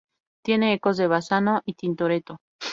Tiene ecos de Bassano y Tintoretto.